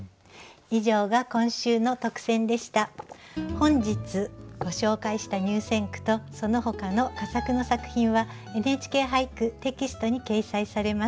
本日ご紹介した入選句とそのほかの佳作の作品は「ＮＨＫ俳句」テキストに掲載されます。